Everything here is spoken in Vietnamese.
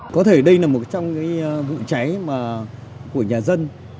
có thể đây là một trong vụ cháy của nhà dân